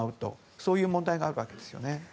そういう問題があるわけですね。